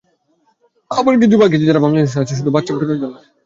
আবার কিছু পাখি আছে, যারা বাংলাদেশে আসে শুধু বাচ্চা ফোটানোর জন্য।